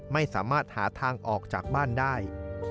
ไม่สามารถหาทางออกจากบ้านได้